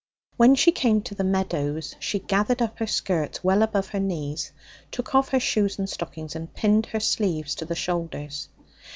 When she came to the meadows she gathered up her skirts well above her knees, took off her shoes and stockings, and pinned her sleeves to the shoulders.